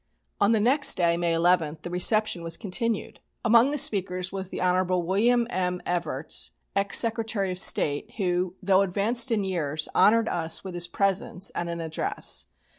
On the next day, May 11, the reception was continued. Among the speakers was the Hon. William M. Evarts, ex Secretary of State, who, though advanced in years, honoured us with his presence and an address.